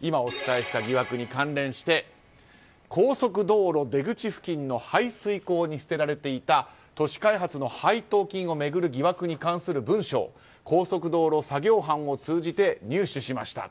今お伝えした疑惑に関連して高速道路出口付近の排水溝に捨てられていた都市開発の配当金を巡る疑惑に関する文書を高速道路作業班を通じて入手しました。